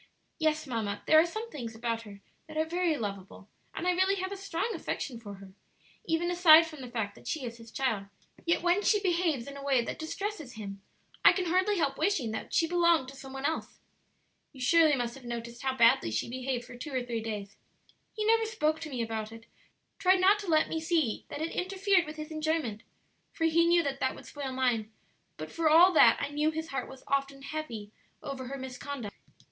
"Yes, mamma, there are some things about her that are very lovable, and I really have a strong affection for her, even aside from the fact that she is his child; yet when she behaves in a way that distresses him I can hardly help wishing that she belonged to some one else. "You surely must have noticed how badly she behaved for two or three days. He never spoke to me about it, tried not to let me see that it interfered with his enjoyment (for he knew that that would spoil mine), but for all that I knew his heart was often heavy over her misconduct.